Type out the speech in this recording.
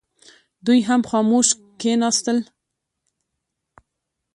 دوی هم خاموش کښېنستل.